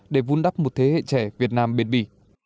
để vun đắp một thế hệ trẻ việt nam biệt bì